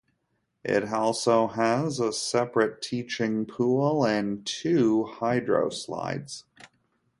It also has a separate teaching pool and two hydroslides.